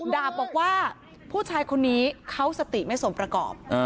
ดาบบอกว่าผู้ชายคนนี้เขาสติไม่สมประกอบ